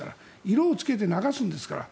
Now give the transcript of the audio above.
色をつけて流すんですから。